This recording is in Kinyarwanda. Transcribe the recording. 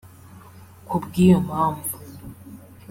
Ku bw’iyo mpamvu